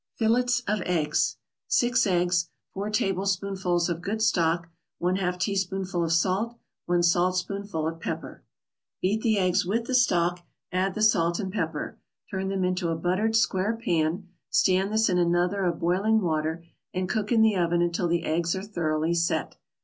FILLETS OF EGGS 6 eggs 4 tablespoonfuls of good stock 1/2 teaspoonful of salt 1 saltspoonful of pepper Beat the eggs with the stock, add the salt and pepper. Turn them into a buttered square pan, stand this in another of boiling water, and cook in the oven until the eggs are thoroughly "set."